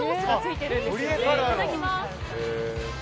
いただきます。